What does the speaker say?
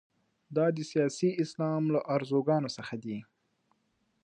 دا د سیاسي اسلام له ارزوګانو څخه دي.